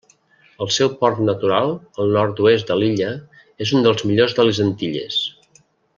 El seu port natural, al nord-oest de l'illa, és un dels millors de les Antilles.